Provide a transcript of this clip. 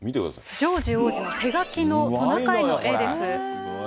ジョージ王子の手描きのトナカイの絵です。